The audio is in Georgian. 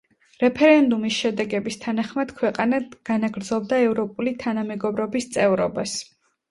რეფერენდუმის შედეგების თანახმად ქვეყანა განაგრძობდა ევროპული თანამეგობრობის წევრობას.